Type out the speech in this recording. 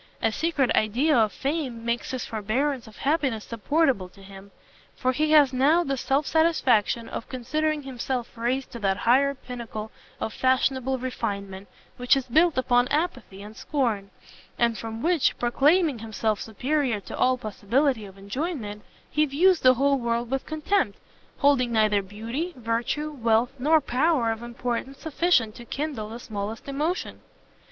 A secret idea of fame makes his forbearance of happiness supportable to him: for he has now the self satisfaction of considering himself raised to that highest pinnacle of fashionable refinement which is built upon apathy and scorn, and from which, proclaiming himself superior to all possibility of enjoyment, he views the whole world with contempt! holding neither beauty, virtue, wealth, nor power of importance sufficient to kindle the smallest emotion!"